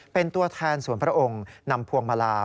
เป็นตัวแทนส่วนพระองค์นำพวงมาลา